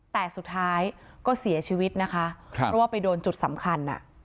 แต่สุดท้ายก็เสียชีวิตนะคะเพราะว่าไปโดนจุดสำคัญ